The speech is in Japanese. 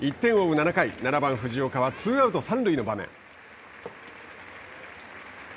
７回７番藤岡はツーアウト、三塁の場面。